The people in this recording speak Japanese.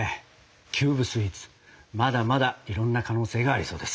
キューブスイーツまだまだいろんな可能性がありそうです。